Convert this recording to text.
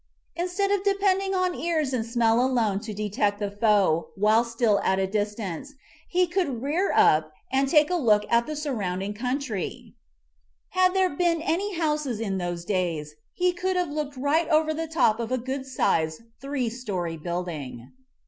Instead of depending on ears and smell alone to detect the foe while still at a dis tance, he could rear up and take a look at the sur rounding country. Had there been any houses in MIGHTY ANIMALS 2 18 MIGHTY ANIMALS those days, he could have looked right over the top of a good sized three story building.